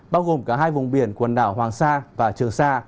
bao gồm cả hai vùng biển quần đảo hoàng sa và trường sa